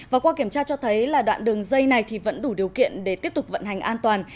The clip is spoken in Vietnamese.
và qua kiểm tra cho thấy là đoạn đường dây này vẫn đủ điều kiện để tiếp tục vận hành an toàn